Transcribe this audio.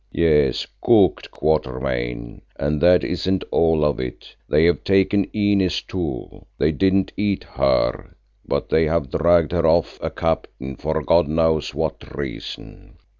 "Yes, cooked, Quatermain. And that isn't all of it, they have taken Inez too. They didn't eat her, but they have dragged her off a captive for God knows what reason.